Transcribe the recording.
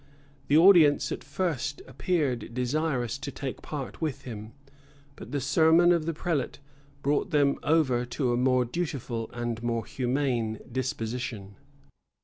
[*] The audience at first appeared desirous to take part with him; but the sermon of the prelate brought them over to a more dutiful and more humane disposition.